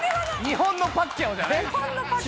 日本のパッキャオじゃないです。